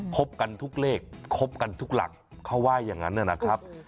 บกันทุกเลขคบกันทุกหลักเขาว่าอย่างนั้นนะครับ